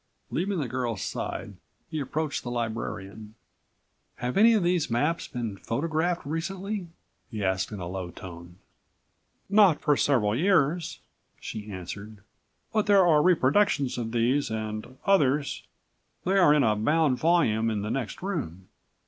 Leaving the girl's side, he approached the librarian. "Have any of these maps been photographed recently?" he asked in a low tone. "Not for several years," she answered. "But there are reproductions of these and others. They're in a bound volume in the next room.